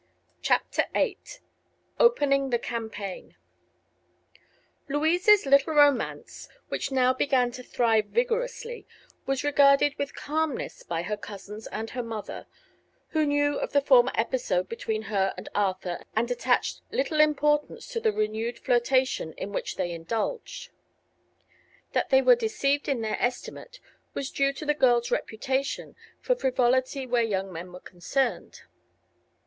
CHAPTER VIII OPENING THE CAMPAIGN Louise's little romance, which now began to thrive vigorously, was regarded with calmness by her cousins and her mother, who knew of the former episode between her and Arthur and attached little importance to the renewed flirtation in which they indulged. That they were deceived in their estimate was due to the girl's reputation for frivolity where young men were concerned.